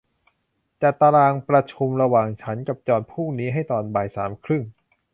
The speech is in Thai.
จัดตารางประชุมระหว่างฉันกับจอห์นพรุ่งนี้ให้ตอนบ่ายสามครึ่ง